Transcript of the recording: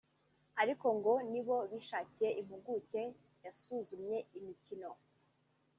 ariko ngo nibo bishakiye impuguke yasuzumye imikono